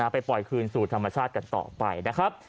ไปปล่อยคืนสู่ธรรมชาติกันต่อไปนะครับ